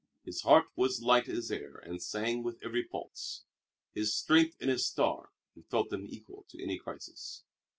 His heart was light as air and sang with every pulse. His strength and his star he felt them equal to any crisis.